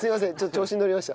調子に乗りました。